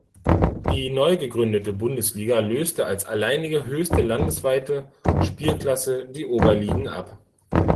Die neu gegründete Bundesliga löste als alleinige höchste landesweite Spielklasse die Oberligen ab.